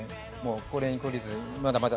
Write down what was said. これに懲りず、まだまだ。